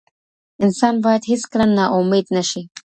انسان باید هیڅکله نا امید نه شي.